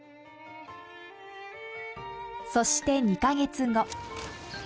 そして２カ月後。